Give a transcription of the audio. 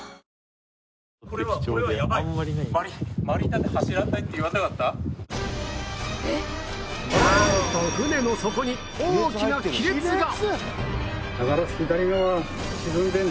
なんと船の底に大きな亀裂が！